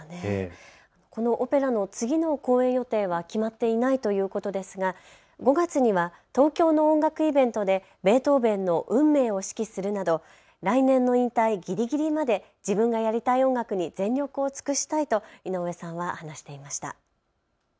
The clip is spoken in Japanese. このオペラの次の公演予定は決まっていないということですが５月には東京の音楽イベントでベートーヴェンの運命を指揮するなど来年の引退ぎりぎりまで自分がやりたい音楽に全力を尽くしたいと井上さんは話していました。